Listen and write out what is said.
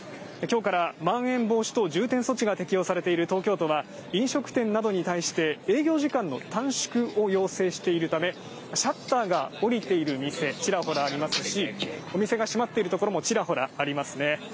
きょうから、まん延防止等重点措置適用されている東京都は、飲食店などに対して営業時間の短縮を要請しているため、シャッターが下りている店、ちらほらありますしお店が閉まっているところも、ちらほらありますね。